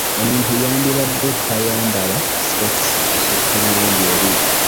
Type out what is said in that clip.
Omuntu yandibadde tayambala sitookisi kusukka mirundi ebiri.